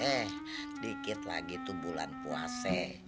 eh dikit lagi tuh bulan puase